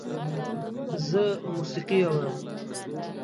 زه موسیقی اورم